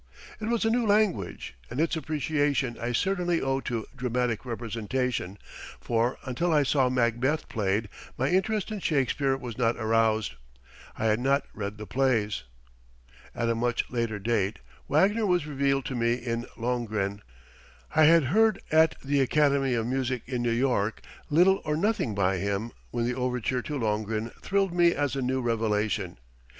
It was a new language and its appreciation I certainly owe to dramatic representation, for, until I saw "Macbeth" played, my interest in Shakespeare was not aroused. I had not read the plays. [Footnote 17: Edwin Adams.] At a much later date, Wagner was revealed to me in "Lohengrin." I had heard at the Academy of Music in New York, little or nothing by him when the overture to "Lohengrin" thrilled me as a new revelation.